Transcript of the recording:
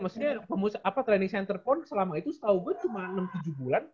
maksudnya training center pun selama itu setau gue cuma enam tujuh bulan